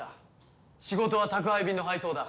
仕事は宅配便の配送だ。